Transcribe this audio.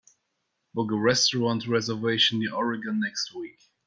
Book a restaurant reservation near Oregon next week